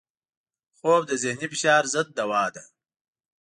خوب د ذهني فشار ضد دوا ده